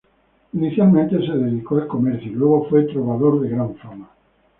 Inicialmente se dedicó al comercio y luego fue trovador de gran fama.